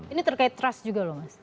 ini terkait trust juga loh mas